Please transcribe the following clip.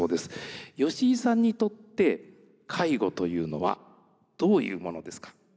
吉井さんにとって介護というのはどういうものですか？